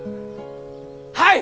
はい！